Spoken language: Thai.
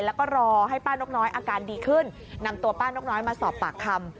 แล้วก็รอให้ป้านกน้อยอาการดีขึ้นนำตัวป้านกน้อยมาสอบปากคำ